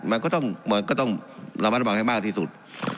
มันก็ต้องเรามันต้องบังให้มากที่สุด